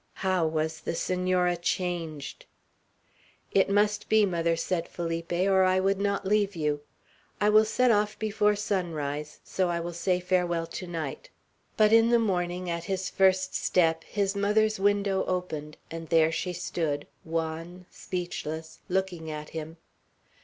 How was the Senora changed! "It must be, mother," said Felipe, "or I would not leave you. I will set off before sunrise, so I will say farewell tonight." But in the morning, at his first step, his mother's window opened, and there she stood, wan, speechless, looking at him.